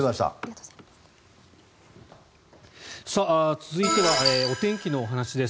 続いてはお天気のお話です。